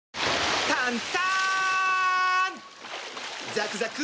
ザクザク！